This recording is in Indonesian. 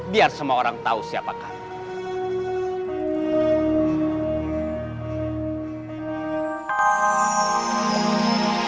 biar semua orang tau siapa kamu